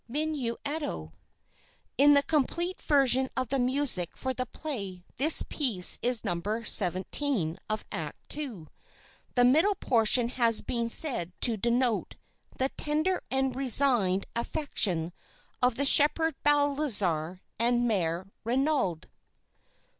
MINUETTO In the complete version of the music for the play this piece is No. 17 of Act II. The middle portion has been said to denote "the tender and resigned affection of the Shepherd Balthazar and Mère Renaud."